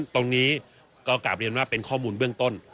ตรงนี้ก็กลับเรียนว่าเป็นข้อมูลเบื้องต้น